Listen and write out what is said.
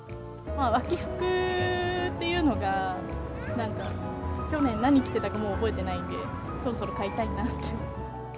秋服というのがなんか、去年何着てたか、もう覚えてないんで、そろそろ買いたいなって。